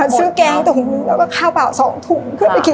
มันฉือกแกงกับถุงแล้วก็ข้าวเปล่าสองขนาดค่ะ